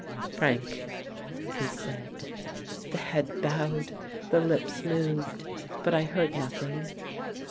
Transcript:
"Frank," he said. The head bowed, the lips moved, but I heard nothing.